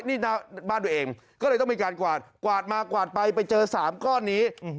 นี่หน้าบ้านตัวเองก็เลยต้องมีการกวาดกวาดมากวาดไปไปเจอ๓ก้อนนี้